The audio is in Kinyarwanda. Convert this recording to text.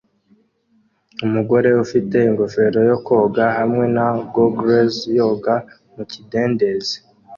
Umugore ufite ingofero yo koga hamwe na gogles yoga mu kidendezi